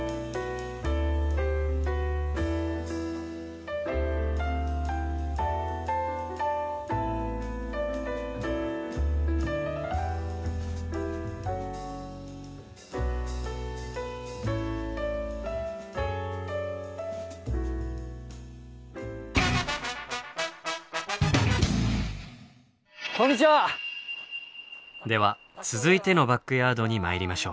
では続いてのバックヤードにまいりましょう。